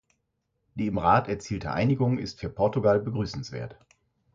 Die im Rat erzielte Einigung ist für Portugal begrüßenswert.